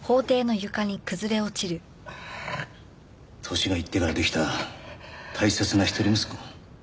年がいってからできた大切な一人息子。